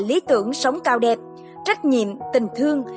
lý tưởng sống cao đẹp trách nhiệm tình thương